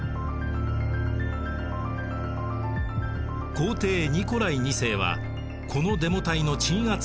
皇帝ニコライ２世はこのデモ隊の鎮圧を指示。